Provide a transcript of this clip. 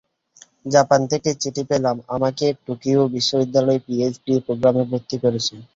Japan থেকে চিঠি পেলাম, আমাকে টোকিও বিশ্ববিদ্যালয় পিএইচডি প্রোগ্রামে ভর্তি করেছে।